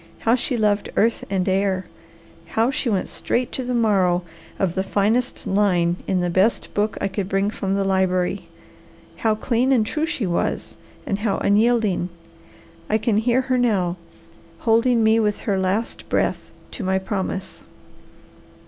How she loved earth and air! How she went straight to the marrow of the finest line in the best book I could bring from the library! How clean and true she was and how unyielding! I can hear her now, holding me with her last breath to my promise.